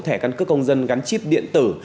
thẻ căn cứ công dân gắn chip điện tử